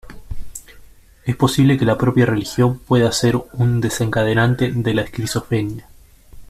Es posible que la propia religión pueda ser un desencadenante de la esquizofrenia.